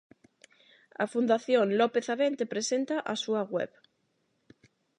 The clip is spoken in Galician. A fundación López Abente presenta a súa web.